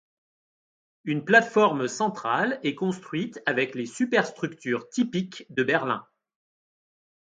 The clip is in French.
Une plate-forme centrale est construite avec les superstructures typiques de Berlin.